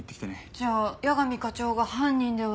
じゃあ矢上課長が犯人では？